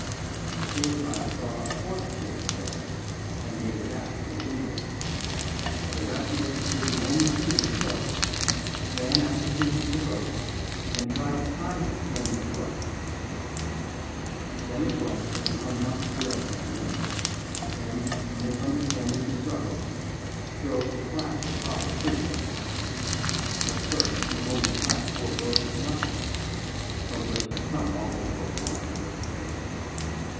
The suicide saw a fourth shape of death, and made a dash for the window. The rescuer did the only thing he could ran after him with the rope and tried to tie him hand and foot. Then it was that the unlucky girl ran in, and misunderstanding the struggle, strove to slash her father free. At first she only slashed poor Royce's knuckles, from which has come all the little blood in this affair.